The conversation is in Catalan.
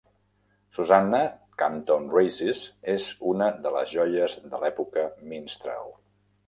Susanna, Camptown Races és una de les joies de l'època minstrel.